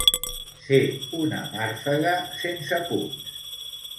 Ser una màrfega sense punts.